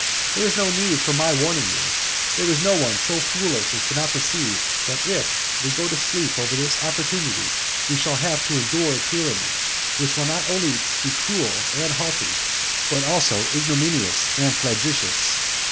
There is no need for my warning you: there is no one so foolish as not to perceive that if we go to sleep over this opportunity we shall have to endure a tyranny which will be not only cruel and haughty, but also ignominious and flagitious.